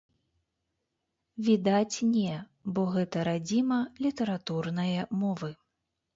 Відаць, не, бо гэта радзіма літаратурнае мовы.